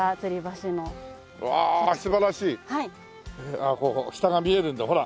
ああここ下が見えるんだほらこれ。